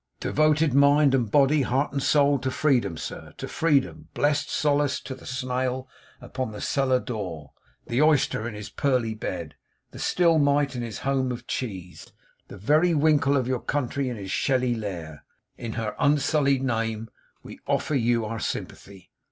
'"Devoted, mind and body, heart and soul, to Freedom, sir to Freedom, blessed solace to the snail upon the cellar door, the oyster in his pearly bed, the still mite in his home of cheese, the very winkle of your country in his shelly lair in her unsullied name, we offer you our sympathy.